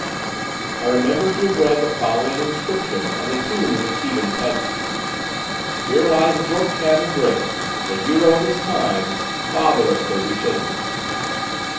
I remember to have read the following inscription on the tomb of a Keban peasant: "Here lies Jorktan the great, the hero of his time, father of thirty children."